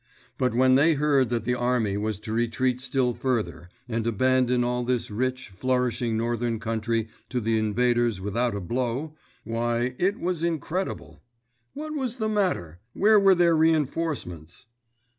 But when they heard that the army was to retreat still further, and abandon all this rich, flourishing northern country to the invaders without a blow—why, it was incredible! What was the matter? Where were their reënforcements?